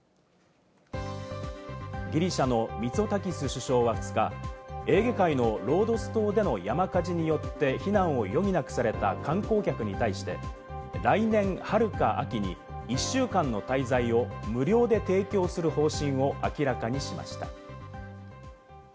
ギリシャのミツォタキス首相は２日、エーゲ海のロードス島での山火事によって避難を余儀なくされた観光客に対して来年春か秋に１週間の滞在を無料で提供する方針を明らかにしました。